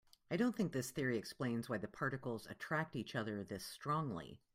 I don't think this theory explains why the particles attract each other this strongly.